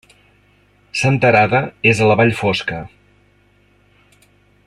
Senterada és a la Vall Fosca.